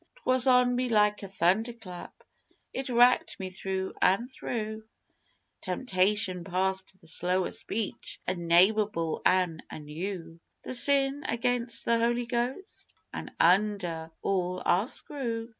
'Twas on me like a thunderclap it racked me through an' through Temptation past the show o' speech, unnamable an' new The Sin against the Holy Ghost?... An' under all, our screw.